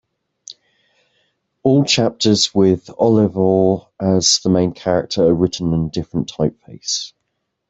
All chapters with Olivaw as the main character are written in a different typeface.